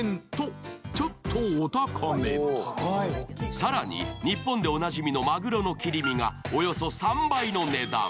更に、日本でおなじみのまぐろの切り身がおよそ３倍の値段。